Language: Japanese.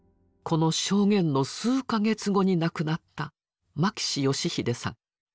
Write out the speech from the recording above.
この証言の数か月後に亡くなった牧志義秀さん。